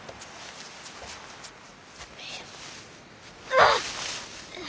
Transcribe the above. あっ！